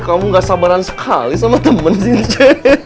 kamu gak sabaran sekali sama temen sini ceng